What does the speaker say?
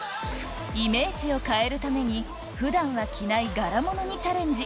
イメージを変えるために普段は着ない柄物にチャレンジ